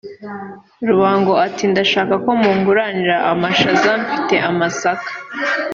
" Rubango ati "Ndashaka ko munguranira amashaza mfite amasaka